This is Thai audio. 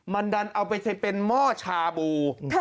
มันดันเอาไปใช้เป็นหม้อชาบู